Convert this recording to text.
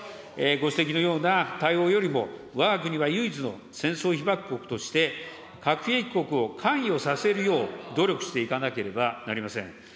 ご指摘のような対応よりも、わが国は唯一の戦争被爆国として、核兵器国を関与させるよう努力していかなければなりません。